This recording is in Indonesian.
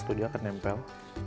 tuh dia akan nempel